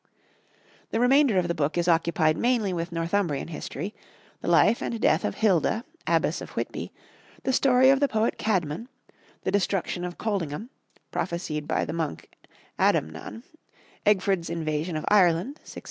The remainder of the book is occupied mainly with Northumbrian history, the life and death of Hilda, Abbess of Whitby, the story of the poet Caedmon, the destruction of Coldingham, prophesied by the monk Adamnan, Egfrid's invasion of Ireland (684 A.